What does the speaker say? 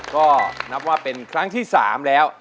ก็นับว่าเป็นครั้งที่๓แล้ว